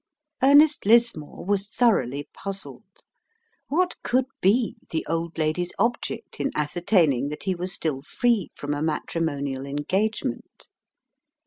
Ernest Lismore was thoroughly puzzled. What could be the old lady's object in ascertaining that he was still free from a matrimonial engagement?